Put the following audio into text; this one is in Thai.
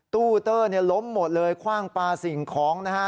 ตู้เตอร์เนี่ยล้มหมดเลยคว่างปลาสิ่งของนะฮะ